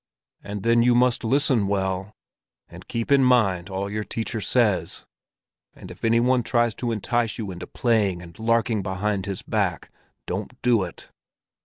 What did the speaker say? And then you must listen well, and keep in mind all that your teacher says; and if anyone tries to entice you into playing and larking behind his back, don't do it.